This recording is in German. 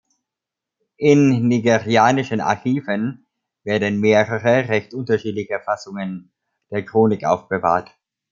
In nigerianischen Archiven werden mehrere, recht unterschiedliche Fassungen der Chronik aufbewahrt.